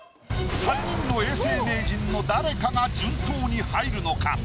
３人の永世名人の誰かが順当に入るのか？